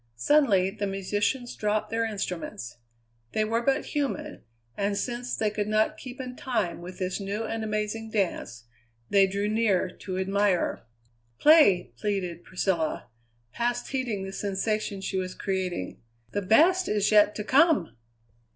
Suddenly the musicians dropped their instruments. They were but human, and, since they could not keep in time with this new and amazing dance, they drew near to admire. "Play!" pleaded Priscilla, past heeding the sensation she was creating. "The best is yet to come!"